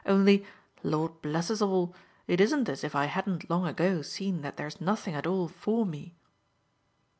Only Lord bless us all! it isn't as if I hadn't long ago seen that there's nothing at all FOR me."